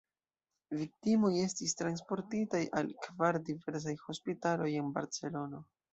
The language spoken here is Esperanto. Viktimoj estis transportitaj al kvar diversaj hospitaloj en Barcelono.